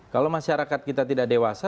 kalau masyarakat kita tidak dewasa